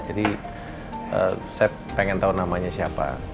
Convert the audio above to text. jadi saya pengen tahu namanya siapa